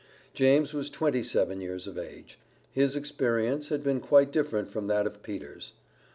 James was twenty seven years of age. His experience had been quite different from that of Peter's.